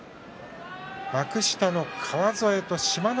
幕下の川副と志摩ノ